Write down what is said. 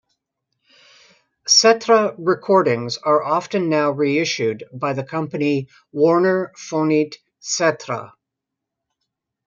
Cetra recordings are often now reissued by the company Warner Fonit Cetra.